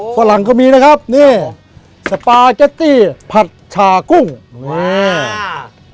ฝรั่งก็มีนะครับนี่สปาเก็ตตี้ผัดชากุ้งอ่า